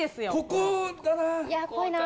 ここだな。